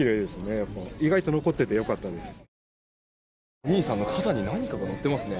お兄さんの肩に何かが乗っていますね。